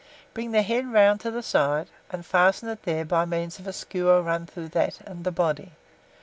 Bring the head round to the side, and fasten it there by means of a skewer run through that and the body.